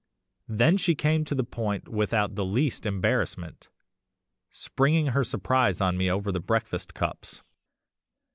"Then she came to the point without the least embarrassment, springing her surprise on me over the breakfast cups.